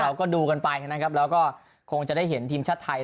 เราก็ดูกันไปนะครับแล้วก็คงจะได้เห็นทีมชาติไทย